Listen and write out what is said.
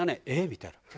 みたいな。